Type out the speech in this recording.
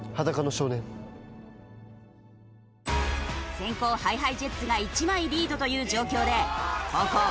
先攻ＨｉＨｉＪｅｔｓが１枚リードという状況で後攻美少年